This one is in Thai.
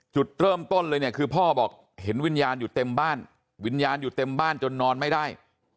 จุดเริ่มต้นเลยเนี่ยคือพ่อบอกเห็นวิญญาณอยู่เต็มบ้านวิญญาณอยู่เต็มบ้านจนนอนไม่ได้